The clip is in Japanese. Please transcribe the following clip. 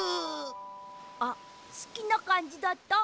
あっすきなかんじだった？